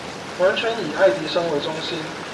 完全以愛迪生為中心